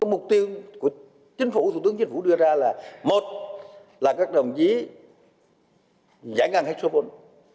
mục tiêu của chính phủ thủ tướng chính phủ đưa ra là một là các đồng chí giải ngân hết số vốn